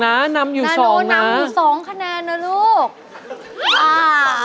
นาโนนำอยู่๒คะแนนนะลูก